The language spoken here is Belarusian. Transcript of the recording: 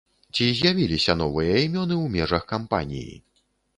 Ці з'явіліся новыя імёны ў межах кампаніі?